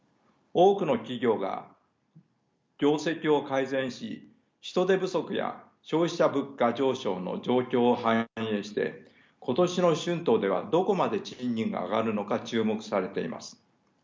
多くの企業が業績を改善し人手不足や消費者物価上昇の状況を反映して今年の春闘ではどこまで賃金が上がるのか注目されています。